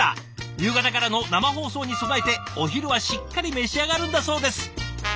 夕方からの生放送に備えてお昼はしっかり召し上がるんだそうです。